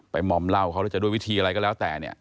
ไปหม่อมเหล้าเขาหรือว่าอยากจะด้วยวิธีอะไรก็แล้วแต่เนี่ย